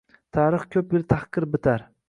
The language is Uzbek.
Tarix ko’p yil tahqir bitar